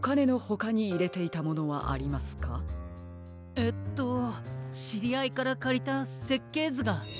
えっとしりあいからかりたせっけいずが。